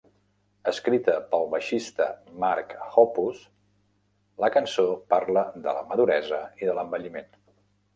Escrita pel baixista Mark Hoppus, la cançó parla de la maduresa i de l'envelliment.